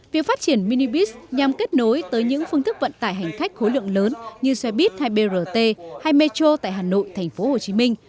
việc phát triển minibis nhằm kết nối tới những phương thức vận tải hành khách khối lượng lớn như xe buýt hay brt hay metro tại hà nội thành phố hồ chí minh